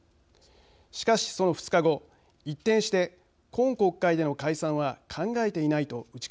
しかしその２日後一転して今国会での解散は考えていないと打ち消しました。